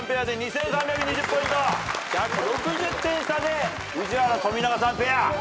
１６０点差で宇治原・富永さんペア。